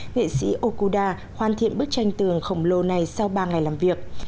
nghệ sĩ okuda hoàn thiện bức tranh tường khổng lồ này sau ba ngày làm việc